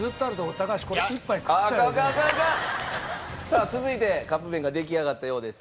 さあ続いてカップ麺が出来上がったようです。